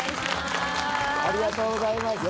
ありがとうございます。